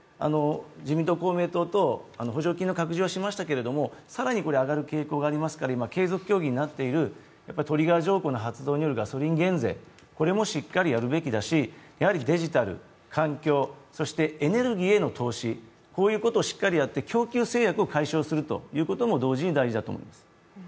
自民党、公明党と補助金の拡充はしましたけれども、更に上がる傾向がありますから、継続議論になっているトリガー条項によるガソリンこれもしっかりやるべきだし、やはりデジタル、環境、そしてエネルギーへの投資、こういうことをしっかりやって供給制約を解除するということも同時に大事だと思います。